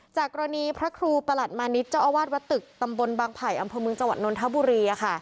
จากกรณีพระครูประหลัดมานิดเจ้าอาวาสวัดตึกตำบลบางไผ่อำเภอเมืองจังหวัดนนทบุรี